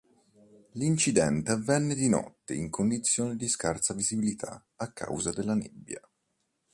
L'incidente avvenne di notte in condizioni di scarsa visibilità a causa della nebbia.